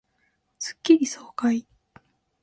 スッキリ爽快